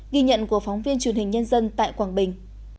ghi nhận của phóng viên truyền hình nhân dân tại quảng bình